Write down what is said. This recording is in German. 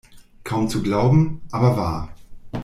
Kaum zu glauben, aber wahr!